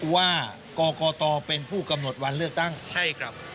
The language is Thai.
ว่ากรกตเป็นผู้กำหนดวันเลือกตั้งใช่ครับ